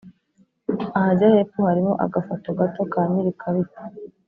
ahajya hepfo harimo agafoto gato ka nyir ikarita